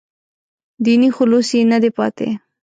دیني خلوص یې نه دی پاتې.